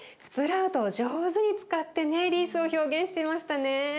スプラウトを上手に使ってねリースを表現してましたね。